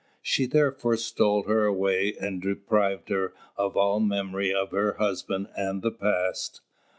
She therefore stole her away and deprived her of all memory of her husband and the past.